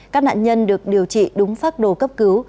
các nạn nhân được điều trị đúng phác đồ cấp cứu